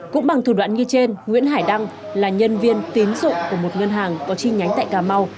cũng bằng thủ đoạn như trên nguyễn hải đăng là nhân viên tín dụng của một ngân hàng có chi nhánh tại cà mau